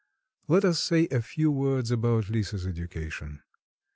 Let us say a few words about Lisa's education.